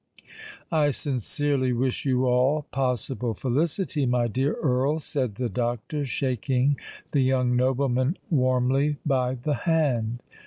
"I sincerely wish you all possible felicity, my dear Earl," said the doctor, shaking the young nobleman warmly by the hand.